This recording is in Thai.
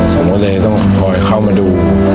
ผมก็เลยต้องคอยเข้ามาดู